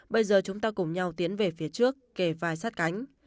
bây giờ chúng ta cùng nhau tiến về phía trước kề vai sát cánh